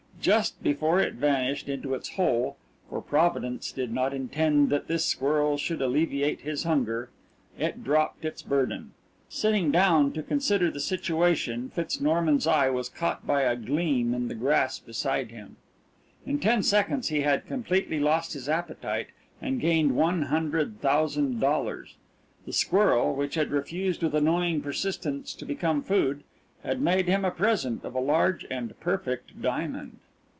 Just before it vanished into its hole for Providence did not intend that this squirrel should alleviate his hunger it dropped its burden. Sitting down to consider the situation Fitz Norman's eye was caught by a gleam in the grass beside him. In ten seconds he had completely lost his appetite and gained one hundred thousand dollars. The squirrel, which had refused with annoying persistence to become food, had made him a present of a large and perfect diamond.